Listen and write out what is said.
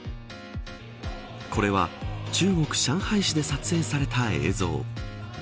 これは中国、上海市で撮影された映像。